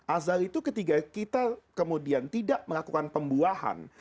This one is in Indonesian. azal itu ketika kita kemudian tidak melakukan pembuahan